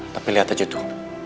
tapi lihat aja tuh